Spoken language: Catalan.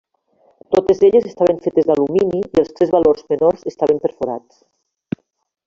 Totes elles estaven fetes d'alumini i els tres valors menors estaven perforats.